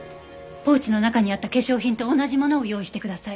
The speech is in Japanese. ポーチの中にあった化粧品と同じものを用意してください。